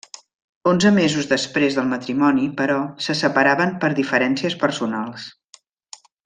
Onze mesos després del matrimoni, però, se separaven per diferències personals.